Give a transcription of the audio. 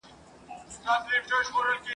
د ده له قبره تر اسمان پوري ډېوې ځلیږي ..